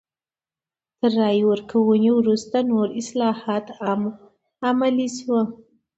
تر رایې ورکونې وروسته نور اصلاحات هم عملي شول.